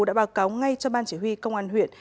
đã báo cáo ngay cho ban chỉ huy công an huyện